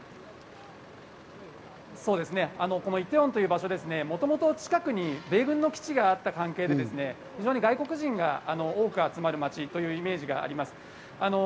このイテウォンという場所、もともと近くに米軍の基地があった関係で外国人が非常に多く集まる街という印象があります。